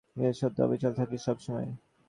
নিজের সত্যে অবিচল থাকিস সবসময়।